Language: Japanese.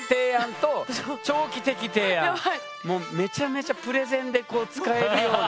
それがもうめちゃめちゃプレゼンでこう使えるような。